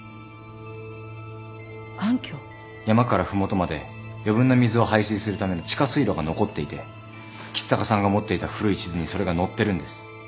山から麓まで余分な水を排水するための地下水路が残っていて橘高さんが持っていた古い地図にそれが載ってるんです。